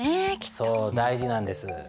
そう大事なんです。